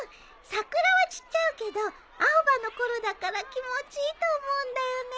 桜は散っちゃうけど青葉のころだから気持ちいいと思うんだよね。